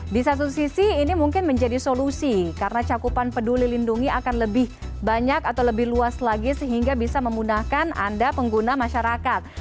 di satu sisi ini mungkin menjadi solusi karena cakupan peduli lindungi akan lebih banyak atau lebih luas lagi sehingga bisa memudahkan anda pengguna masyarakat